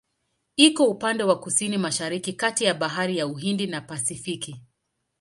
Iko upande wa Kusini-Mashariki kati ya Bahari ya Uhindi na Pasifiki.